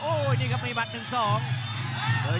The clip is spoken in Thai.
โอ้โห้นี่มีหมัดหนึ่งสอง